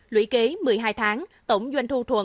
lũy kế một mươi hai tháng tổng doanh thu